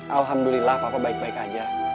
alhamdulillah papa baik baik aja